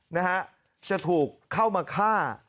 นะฮะจะถูกเข้ามาฆ่า